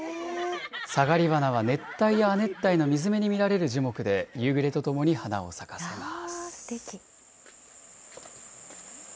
サガリバナは、熱帯や亜熱帯の水辺に見られる樹木で、夕暮れとともに花を咲かせます。